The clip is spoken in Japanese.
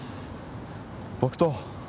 僕と